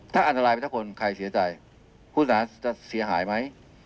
ถ้าอันตรายไปสักคนใครเสียใจผู้เสียหายจะเสียหายไหม